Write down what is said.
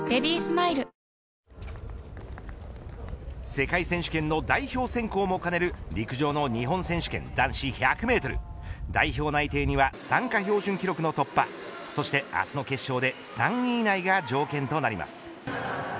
世界選手権の代表選考も兼ねる陸上の日本選手権男子１００メートル代表内定には参加標準記録の突破そして明日の決勝で３位以内が条件となります。